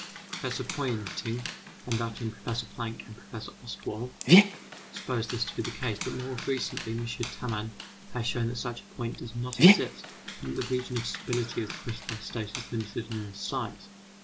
Professor Poynting, and after him Professor Planck and Professor Ostwald, supposed this to be the case, but more recently M. Tamman has shown that such a point does not exist, and that the region of stability of the crystallized state is limited on all sides.